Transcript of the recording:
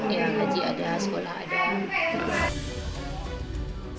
yang lagi ada sekolah ada